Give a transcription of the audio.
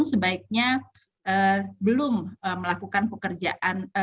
sebaiknya belum melakukan pekerjaan